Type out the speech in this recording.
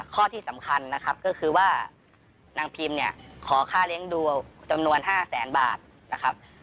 ข้อที่สำคัญนะครับก็คือว่านางพิมเนี่ยขอค่าเลี้ยงดูจำนวน๕แสนบาทนะครับ